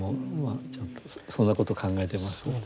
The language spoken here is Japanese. ちょっとそんなこと考えています。